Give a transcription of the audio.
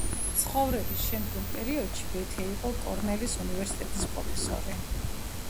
ცხოვრების შემდგომ პერიოდში ბეთე იყო კორნელის უნივერსიტეტის პროფესორი.